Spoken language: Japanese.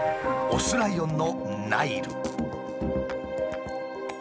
オスライオンのナイル。